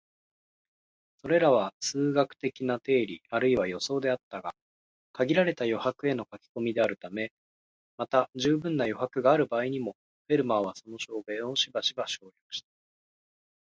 それらは数学的な定理あるいは予想であったが、限られた余白への書き込みであるため、また充分な余白がある場合にも、フェルマーはその証明をしばしば省略した